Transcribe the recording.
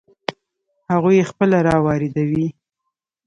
هغوی یې خپله را واردوي.